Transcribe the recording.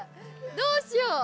どうしよう！